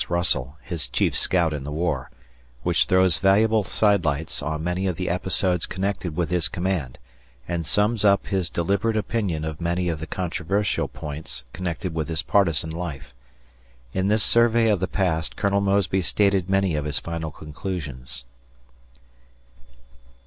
Russell his chief scout in the war which throws valuable sidelights on many of the episodes connected with his command, and sums up his deliberate opinion of many of the controversial points connected with his partisan life. In this survey of the past, Colonel Mosby stated many of his final conclusions.